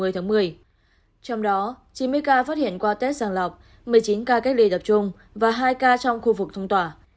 trong đó chín mươi ca phát hiện qua test rằng lọc một mươi chín ca cách ly tập trung và hai ca trong khu vực phong tỏa